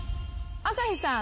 朝日さん